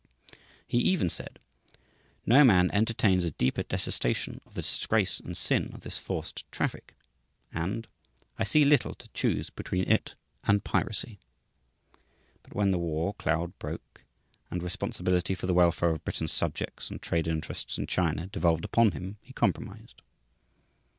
He even said: "No man entertains a deeper detestation of the disgrace and sin of this forced traffic;" and, "I see little to choose between it and piracy." But when the war cloud broke, and responsibility for the welfare of Britain's subjects and trade interests in China devolved upon him, he compromised.